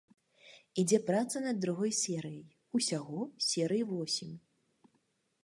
Ідзе праца над другой серыяй, усяго серый восем.